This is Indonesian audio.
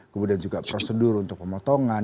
kemudian juga prosedur untuk pemotongan